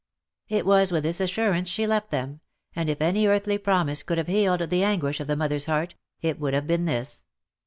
It was with this assurance she left them, and if any earthly promise could have healed the anguish of the mother's heart, it would have been this.